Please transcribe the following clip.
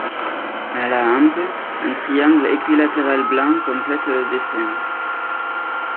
À la hampe, un triangle équilatéral blanc complète le dessin.